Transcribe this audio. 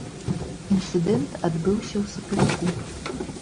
Інцыдэнт адбыўся ў сакавіку.